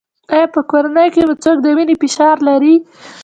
ایا په کورنۍ کې مو څوک د وینې فشار لري؟